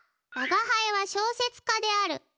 「わがはいは小説家である。